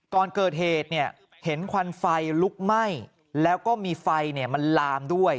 ก่อนเกิดเหตุเนี่ยเห็นควันไฟลุกไหม้แล้วก็มีไฟมันลามด้วย